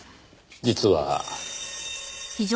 実は。